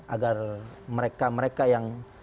agar mereka mereka yang